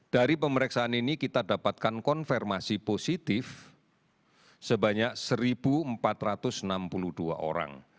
dari pemeriksaan ini kita dapatkan konfirmasi positif sebanyak satu empat ratus enam puluh dua orang